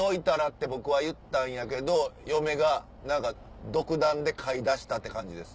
って僕は言ったんやけど嫁が何か独断で飼いだしたって感じです。